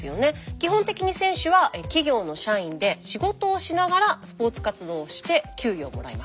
基本的に選手は企業の社員で仕事をしながらスポーツ活動をして給与をもらいます。